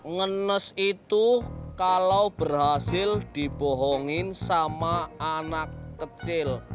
ngenes itu kalau berhasil dibohongin sama anak kecil